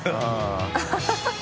ハハハ